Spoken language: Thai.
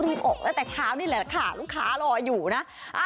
บอกตั้งแต่เช้านี่แหละค่ะลูกค้ารออยู่นะ